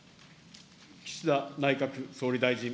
岸田内閣総理大臣。